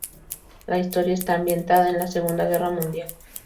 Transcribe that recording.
La historia está ambientada en la Segunda Guerra Mundial.